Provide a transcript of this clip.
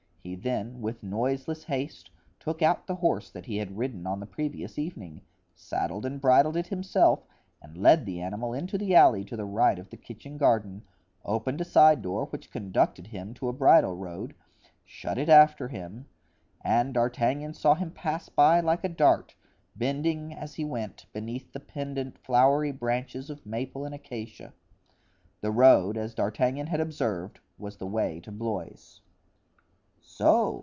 He then, with noiseless haste, took out the horse that he had ridden on the previous evening, saddled and bridled it himself and led the animal into the alley to the right of the kitchen garden, opened a side door which conducted him to a bridle road, shut it after him, and D'Artagnan saw him pass by like a dart, bending, as he went, beneath the pendent flowery branches of maple and acacia. The road, as D'Artagnan had observed, was the way to Blois. "So!"